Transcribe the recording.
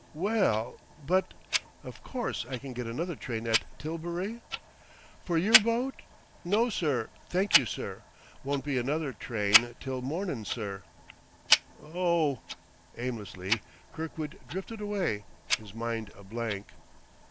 "Wel l, but...! Of course I can get another train at Tilbury?" "For yer boat? No, sir, thank you, sir. Won't be another tryne till mornin', sir." "Oh h!..." Aimlessly Kirkwood drifted away, his mind a blank.